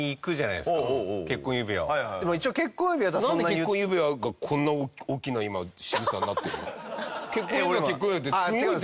なんで結婚指輪がこんな大きな今しぐさになってるの？